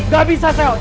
gak bisa sel